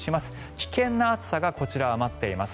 危険な暑さがこちらは待っています。